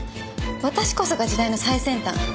私こそが時代の最先端。